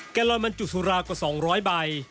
แก่ลอยมันจุดสุราควร๒๐๐ใบ